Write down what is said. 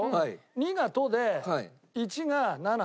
２が「と」で１が「な」